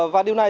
và điều này